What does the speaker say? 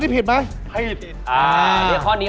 ประเทศอะไร